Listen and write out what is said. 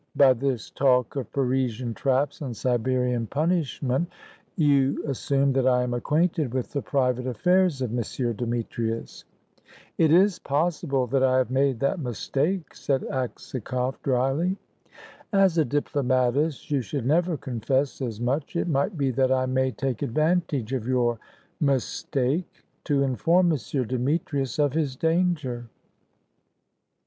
By this talk of Parisian traps and Siberian punishment, you assume that I am acquainted with the private affairs of M. Demetrius." "It is possible that I have made that mistake," said Aksakoff, dryly. "As a diplomatist you should never confess as much. It might be that I may take advantage of your mistake, to inform M. Demetrius of his danger."